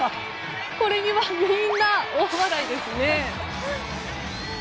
これにはみんな、大笑いですね。